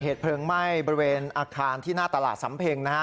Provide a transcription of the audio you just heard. เหตุเพลิงไหม้บริเวณอาคารที่หน้าตลาดสำเพ็งนะฮะ